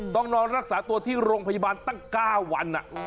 ต้องนอนรักษาตัวที่โรงพยาบาลตั้ง๙วัน